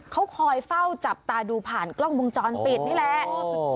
เขาคอยเฝ้าจับตาดูผ่านกล้องวงจรปิดนี่แหละ